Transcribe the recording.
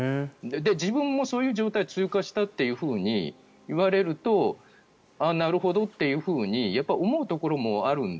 自分もそういう状態を通過したって言われるとなるほどっていうふうに思うところもある。